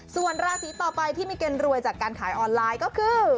ส่วนราศีต่อไปที่มีเกณฑ์รวยจากการขายออนไลน์ก็คือ